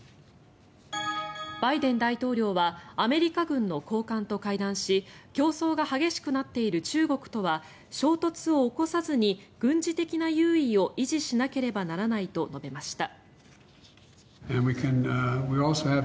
バイデン大統領はアメリカ軍の高官と会談し競争が激しくなっている中国とは衝突を起こさずに軍事的な優位を維持しなければならないと述べました。